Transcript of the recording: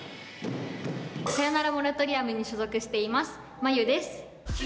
さよならモラトリアムに所属しています、まゆです。